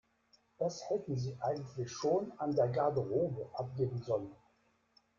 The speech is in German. Das hätten Sie eigentlich schon an der Garderobe abgeben sollen.